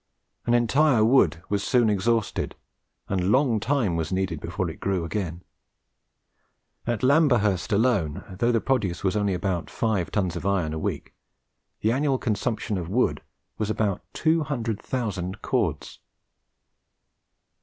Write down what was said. An entire wood was soon exhausted, and long time was needed before it grew again. At Lamberhurst alone, though the produce was only about five tons of iron a week, the annual consumption of wood was about 200,000 cords!